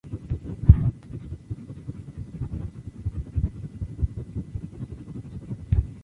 Las dos tradiciones representadas son el cristianismo romano y el cristianismo siriaco.